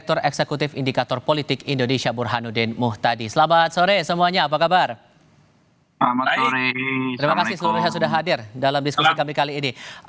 terima kasih seluruhnya sudah hadir dalam diskusi kami kali ini